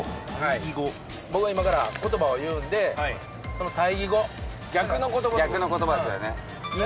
僕が今からことばを言うんで、その対義語、逆のことばですよね。